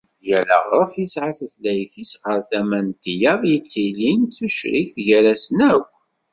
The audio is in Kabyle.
Yal aɣref yesεa tutlayt-is, ɣer tama n tiyaḍ yettilin d tucrikt gar-asen akk.